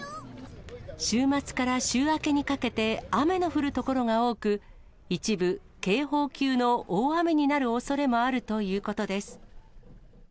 週末から週明けにかけて雨の降る所が多く、一部、警報級の大雨になるおそれもあるということです。